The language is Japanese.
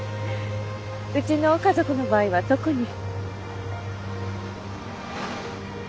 うちの家族の場合は特に。